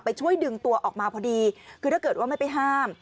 ช่วยดึงตัวออกมาพอดีคือถ้าเกิดว่าไม่ไปห้าม